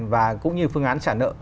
và cũng như phương án trả nợ